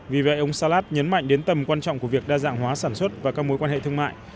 vì vậy ông salat nhấn mạnh đến tầm quan trọng của việc đa dạng hóa sản xuất và các mối quan hệ thương mại